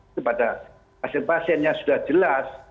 itu pada hasil pasiennya sudah jelas